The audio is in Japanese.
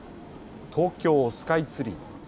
東京スカイツリー。